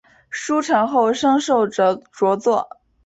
书成后升授着作。